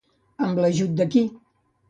Amb l'ajut de qui?